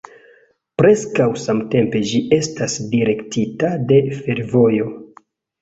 Preskaŭ samtempe ĝi estas direktita de fervojo.